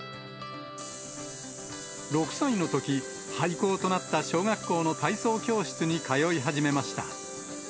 ６歳のとき、廃校となった小学校の体操教室に通い始めました。